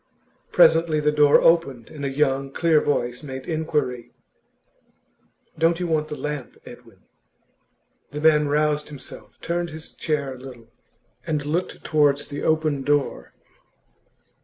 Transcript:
Presently the door opened, and a young, clear voice made inquiry: 'Don't you want the lamp, Edwin?' The man roused himself, turned his chair a little, and looked towards the open door.